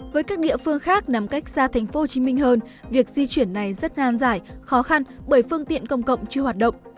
với các địa phương khác nằm cách xa thành phố hồ chí minh hơn việc di chuyển này rất ngàn giải khó khăn bởi phương tiện công cộng chưa hoạt động